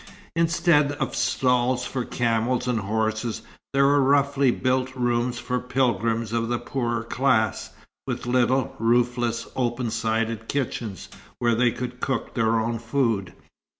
Instead of stalls for camels and horses, there were roughly built rooms for pilgrims of the poorer class, with little, roofless, open sided kitchens, where they could cook their own food.